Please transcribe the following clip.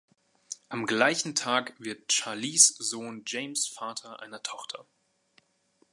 Am gleichen Tag wird Charlies Sohn James Vater einer Tochter.